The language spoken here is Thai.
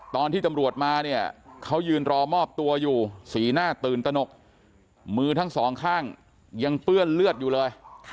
ตอนที่ตำรวจมาเนี่ยเขายืนรอมอบตัวอยู่สีหน้าตื่นตนกมือทั้งสองข้างยังเปื้อนเลือดอยู่เลย